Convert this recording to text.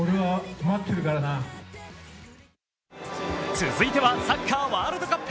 続いてはサッカーワールドカップ。